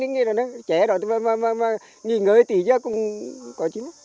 nghỉ ngơi thì chứ